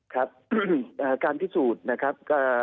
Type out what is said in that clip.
ครับซึ่งการพิสูจน์นะครับ